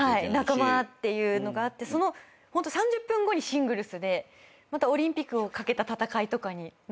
仲間っていうのがあってその３０分後にシングルスでオリンピックをかけた戦いとかになってしまうんで。